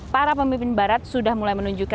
para pemimpin barat sudah mulai menunjukkan